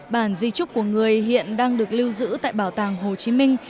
bản di trúc của người hiện đang được lưu giữ tại bảo tàng hồ chí minh